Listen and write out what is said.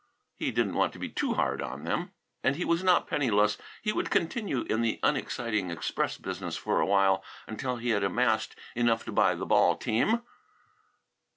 He didn't want to be too hard on them. And he was not penniless. He would continue in the unexciting express business for a while, until he had amassed enough to buy the ball team.